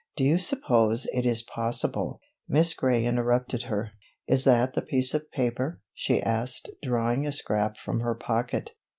Do you suppose it is possible——" Miss Gray interrupted her: "Is that the piece of paper?" she asked, drawing a scrap from her pocket.